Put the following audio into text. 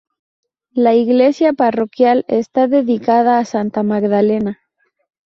La iglesia parroquial está dedicada a Santa Magdalena.